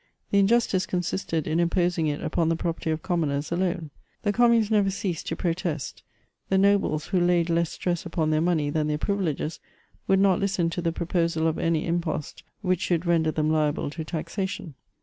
The injustice con sisted in imposing it upon the property of commoners alone. The communes never ceased to protest ; the nobles, who laid less stress upon their money than their privileges, would not listen to the proposal of any impost which should render them liable to taxation.